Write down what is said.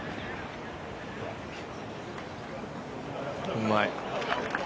うまい。